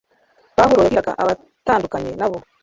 pawulo yabwiraga abatandukanye na bo